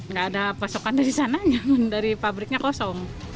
nggak ada pasokan dari sana dari pabriknya kosong